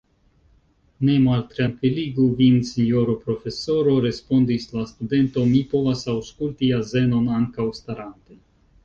Ne maltrankviligu vin, sinjoro profesoro, respondis la studento, mi povas aŭskulti azenon ankaŭ starante.